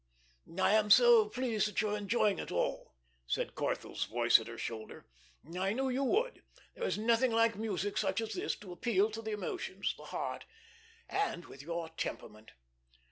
"I am so pleased that you are enjoying it all," said Corthell's voice at her shoulder. "I knew you would. There is nothing like music such as this to appeal to the emotions, the heart and with your temperament."